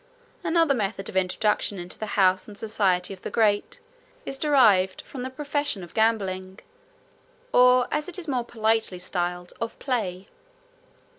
Another method of introduction into the houses and society of the great, is derived from the profession of gaming, or, as it is more politely styled, of play.